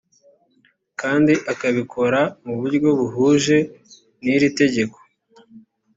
kandi akabikora mu buryo buhuje n’ iri tegeko